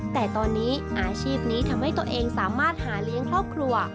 แต่ตอนนี้อาชีพนี้ทำให้ตัวเองสามารถหาเลี้ยงครอบครัว